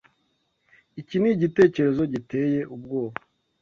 Iki ni igitekerezo giteye ubwoba.